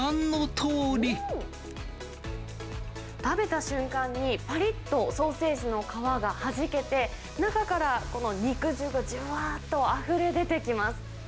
食べた瞬間に、ぱりっとソーセージの皮がはじけて、中からこの肉汁がじゅわーっとあふれ出てきます。